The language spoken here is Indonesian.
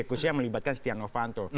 khususnya melibatkan setia novanto